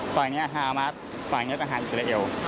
ตอนนี้ฮามาสตรงนี้ทหารจิลเลอล